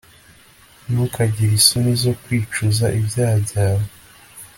ntukagire isoni zo kwicuza ibyaha byawe